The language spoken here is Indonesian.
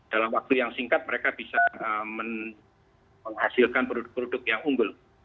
dalam waktu yang singkat mereka bisa menghasilkan produk produk yang unggul